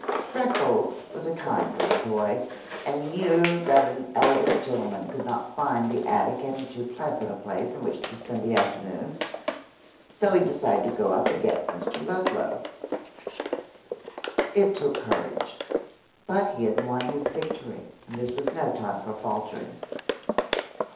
Freckles was a kind little boy, and he knew that an elegant gentleman could not find the attic any too pleasant a place in which to spend the afternoon, go he decided to go up and get Mr. Ludlow. It took courage; but he had won his victory and this was no time for faltering.